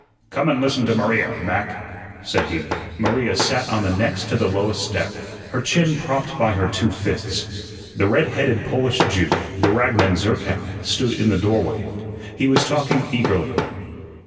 "Come and listen to Maria, Mac," said he. Maria sat on the next to the lowest step, her chin propped by her two fists. The red headed Polish Jew, the ragman Zerkow, stood in the doorway. He was talking eagerly.